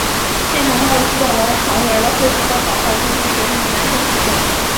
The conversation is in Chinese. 建成后的四栋楼成为了恢复高考后入学学生的男生宿舍。